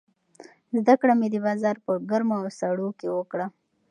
زده کړه مې د بازار په ګرمو او سړو کې وکړه.